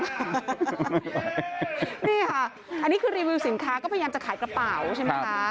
นี่ค่ะอันนี้คือรีวิวสินค้าก็พยายามจะขายกระเป๋าใช่ไหมคะ